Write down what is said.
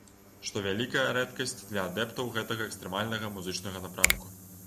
Што вялікая рэдкасць для адэптаў гэтага экстрэмальнага музычнага напрамку.